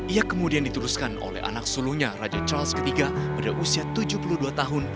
ia kemudian dituruskan oleh anak sulunya raja charles iii pada usia tujuh puluh dua tahun